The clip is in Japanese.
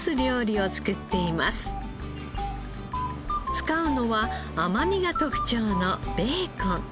使うのは甘みが特徴のベーコン。